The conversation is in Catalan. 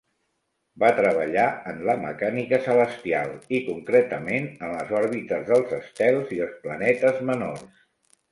Va treballar en la mecànica celestial i concretament en les òrbites dels estels i els planetes menors.